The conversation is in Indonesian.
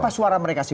apa suara mereka sih